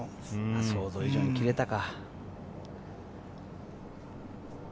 想像以上に切れたか。